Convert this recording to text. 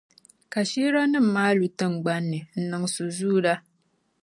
Ka sihiranim’ maa lu tiŋgbani ni n-niŋ suzuuda.